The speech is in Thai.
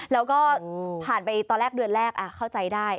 แล้วก็ผ่านไปตอนแรกเดือนแรกเข้าใจได้